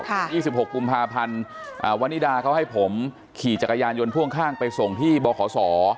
ยี่สิบหกกุมภาพันธ์อ่าวนิดาเขาให้ผมขี่จักรยานยนต์พ่วงข้างไปส่งที่บขศ